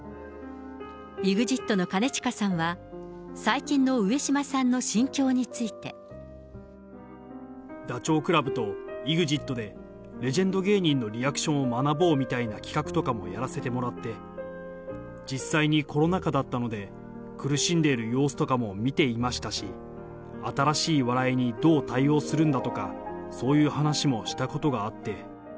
ＥＸＩＴの兼近さんは、最近の上島さんの心境について。ダチョウ倶楽部とＥＸＩＴでレジェンド芸人のリアクションを学ぼうみたいな企画とかもやらせてもらって、実際にコロナ下だったので、苦しんでる様子とかも見ていましたし、新しい笑いにどう対応するんだとか、そういう話もしたことがあって。